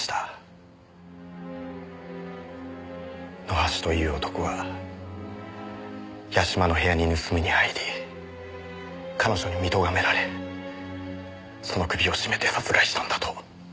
野橋という男が屋島の部屋に盗みに入り彼女に見とがめられその首を絞めて殺害したんだと。